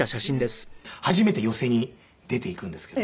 で初めて寄席に出て行くんですけど。